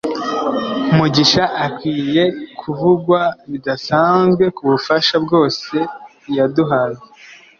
Mugisha akwiye kuvugwa bidasanzwe kubufasha bwose yaduhaye